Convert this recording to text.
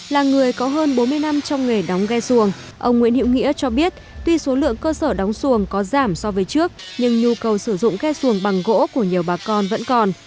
là người có hơn bốn mươi năm trong nghề đóng ghe xuồng ông nguyễn hiệu nghĩa cho biết tuy số lượng cơ sở đóng xuồng có giảm so với trước nhưng nhu cầu sử dụng ghe xuồng bằng gỗ của nhiều bà con vẫn còn